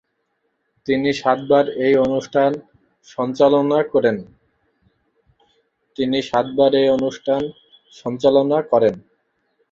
তিনি সাতবার এই অনুষ্ঠান সঞ্চালনা করেন।